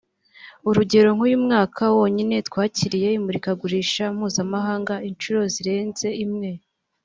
urugero nk’uyu mwaka wonyine twakiriye imurikagurisha mpuzamahanga incuro zirenze imwe